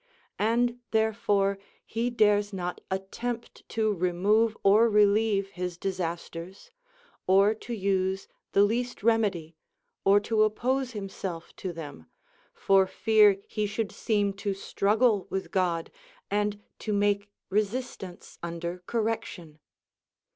And therefore he dares not attempt to remove or relieve his disasters, or * Pythagoras, Carmen Aur. 41. 176 0¥ SUPERSTITION to use the least remedy or to oppose himself to them, for fear he should seem to struggle with God aud to make resist ance under correction.